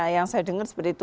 yang saya dengar seperti itu